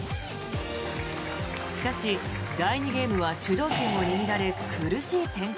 しかし、第２ゲームは主導権を握られ苦しい展開。